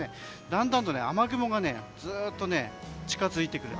だんだんと雨雲がずっと近づいてくる。